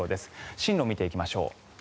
進路を見ていきましょう。